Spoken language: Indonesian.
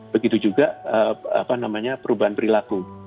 begitu juga perubahan perilaku